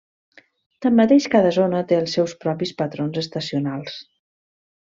Tanmateix, cada zona té els seus propis patrons estacionals.